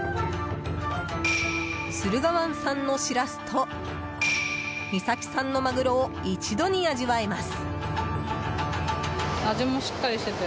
駿河湾産のしらすと三崎産のマグロを一度に味わえます。